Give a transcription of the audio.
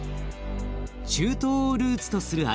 中東をルーツとする味。